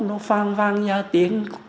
nó vang vang nha tiếng